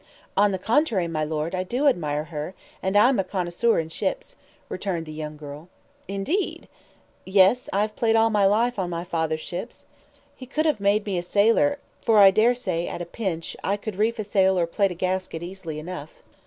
"On the contrary, my lord, I do admire her, and I'm a connoisseur in ships," returned the young girl. "Indeed!" "Yes. I have played all my life on my father's ships. He should have made me a sailor, for I dare say, at a push, I could reef a sail or plait a gasket easily enough."